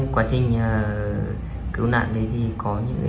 quá trình cứu nạn đấy thì có những